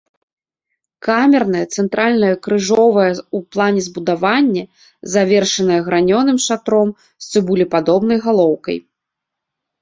Камернае цэнтральнае крыжовае ў плане збудаванне, завершанае гранёным шатром з цыбулепадобнай галоўкай.